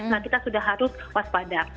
nah kita sudah harus waspada